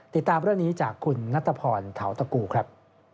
ติดตามเรื่องนี้จากคุณนัทพรเทาตะกูครับ